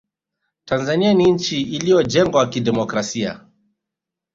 tanzania ni nchi iliyojengwa kidemokrasia